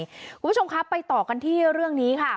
คุณผู้ชมครับไปต่อกันที่เรื่องนี้ค่ะ